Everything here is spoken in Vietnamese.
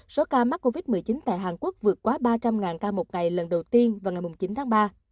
số ca mắc covid một mươi chín tại hàn quốc vượt quá ba trăm linh ca một ngày lần đầu tiên vào ngày chín tháng ba